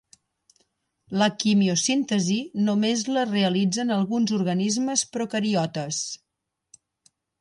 La quimiosíntesi només la realitzen alguns organismes procariotes.